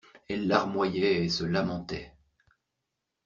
Elle larmoyait et se lamentait.